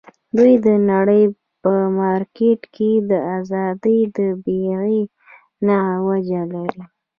دوی د نړۍ په مارکېټ کې د ازادۍ د بیې نغده وجه لري.